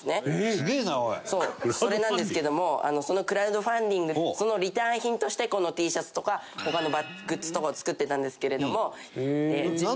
それなんですけどもそのクラウドファンディングのそのリターン品としてこのＴシャツとか他にグッズとかを作っていたんですけれども。